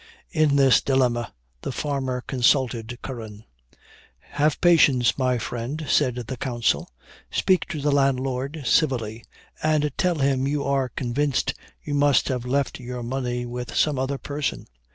In this dilemma the farmer consulted Curran. "Have patience, my friend," said the counsel; "speak to the landlord civilly, and tell him you are convinced you must have left your money with some other person.